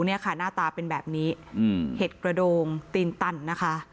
หน้าตาเป็นแบบนี้อืมเห็ดกระโดงตีนตันนะคะ